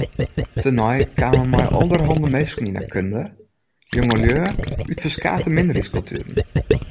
Tenei kaam er mei alderhanne minsken yn ’e kunde, jongelju út ferskate minderheidskultueren.